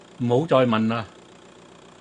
唔好再問呀